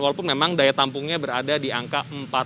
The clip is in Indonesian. walaupun memang daya tampungnya berada di angka empat